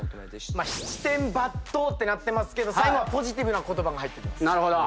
「七転八倒」ってなってますけど最後はポジティブな言葉が入ってきます。